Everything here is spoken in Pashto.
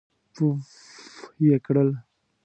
پووووووفففف یې کړ.